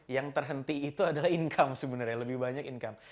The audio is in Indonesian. yang terhenti itu adalah income sebenarnya lebih banyak income